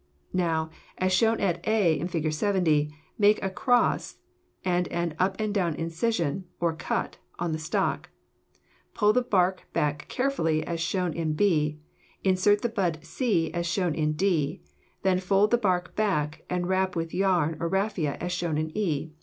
Now, as shown at a in Fig. 70, make a cross and an up and down incision, or cut, on the stock; pull the bark back carefully, as shown in B; insert the bud C, as shown in D; then fold the bark back and wrap with yarn or raffia, as shown in E.